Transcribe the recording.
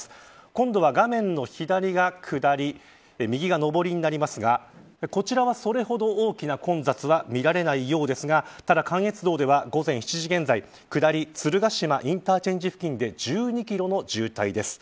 今度は画面の左が下り右が上りになりますがこちらは、それほど大きな混雑は見られないようですがただ関越道では、午前７時現在下り、鶴ヶ島インターチェンジ付近で１２キロの渋滞です。